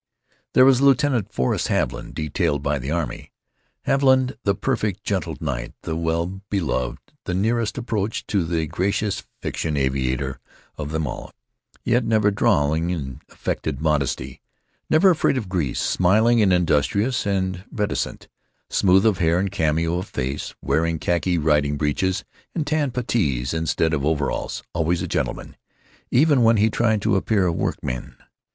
There was Lieutenant Forrest Haviland, detailed by the army—Haviland the perfect gentle knight, the well beloved, the nearest approach to the gracious fiction aviator of them all, yet never drawling in affected modesty, never afraid of grease; smiling and industrious and reticent; smooth of hair and cameo of face; wearing khaki riding breeches and tan puttees instead of overalls; always a gentleman, even when he tried to appear a workman.